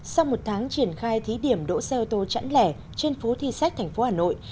sau một tháng triển khai thí điểm đỗ xe ô tô chẵn lẻ trên phố thi sách thành phố hà nội